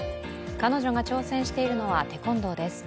彼女が挑戦しているのはテコンドーです。